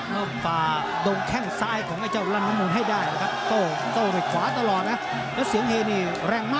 มันมันทวนจริงแล้ว